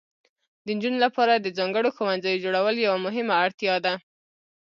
د نجونو لپاره د ځانګړو ښوونځیو جوړول یوه مهمه اړتیا ده.